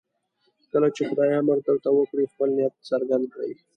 کله چې خدای امر درته وکړي خپل نیت څرګند کړئ.